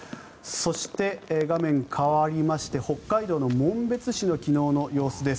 そして画面変わりまして北海道の紋別市の昨日の様子です。